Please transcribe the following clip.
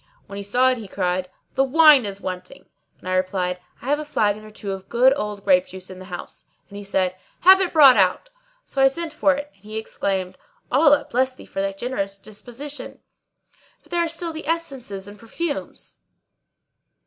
When he saw it he cried, "The wine is wanting," and I replied, "I have a flagon or two of good old grape juice in the house," and he said, "Have it brought out!" So I sent for it and he exclaimed, "Allah bless thee for a generous disposition! But there are still the essences and perfumes."